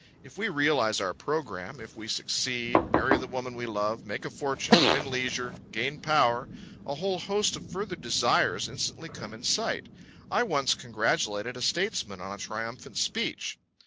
If we realise our programme, if we succeed, marry the woman we love, make a fortune, win leisure, gain power, a whole host of further desires instantly come in sight. I once congratulated a statesman on a triumphant speech.